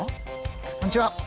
こんにちは！